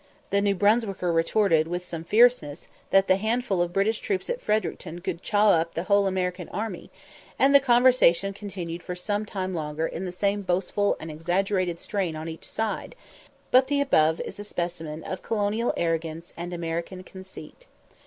The New Brunswicker retorted, with some fierceness, that the handful of British troops at Fredericton could "chaw up" the whole American army; and the conversation continued for some time longer in the same boastful and exaggerated strain on each side, but the above is a specimen of colonial arrogance and American conceit.